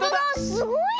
すごいね！